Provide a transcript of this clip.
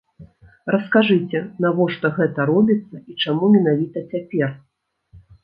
Раскажыце, навошта гэта робіцца і чаму менавіта цяпер?